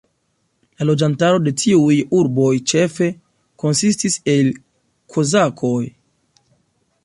La loĝantaro de tiuj urboj ĉefe konsistis el kozakoj.